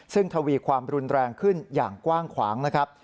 ซึ่งทวีความรุนแรงขึ้นอย่างกว้างขวางนะครับ